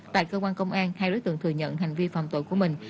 tại cơ quan công an hai đối tượng thừa nhận hành vi phạm tội của mình